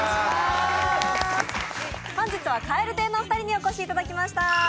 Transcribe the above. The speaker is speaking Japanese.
本日は蛙亭のお二人にお越しいただきました。